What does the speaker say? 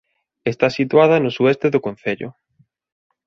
Está situada no sueste do concello.